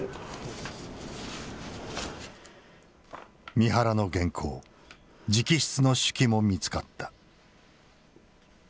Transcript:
三原の原稿直筆の手記も見つかった。